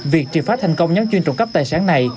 việc trị phát thành công nhóm chuyên trùng cấp tài sản này